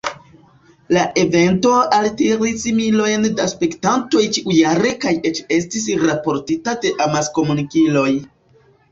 La evento altiris milojn da spektantoj ĉiujare kaj eĉ estis raportita de amaskomunikiloj.